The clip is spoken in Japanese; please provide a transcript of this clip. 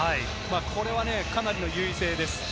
これはかなりの優位性です。